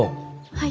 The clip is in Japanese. はい。